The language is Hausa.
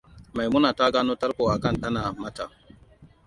Maimuna ta gano tarko aka ɗana mata.